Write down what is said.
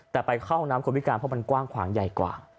แต่ไปเข้าห้องน้ำคนพิการเพราะมันกว้างขวางใหญ่กว่า